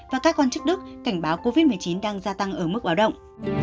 và các quan chức đức cảnh báo covid một mươi chín đang gia tăng ở mức báo động